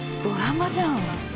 ドラマじゃん